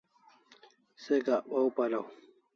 Se gak waw paraw